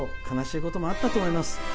悲しいこともあったと思います。